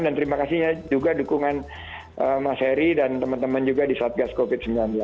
dan terima kasih juga dukungan mas heri dan teman teman juga di satgas covid sembilan belas